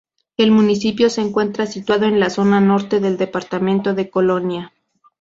El municipio se encuentra situado en la zona norte del departamento de Colonia.